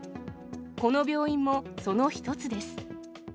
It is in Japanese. この病院もその一つです。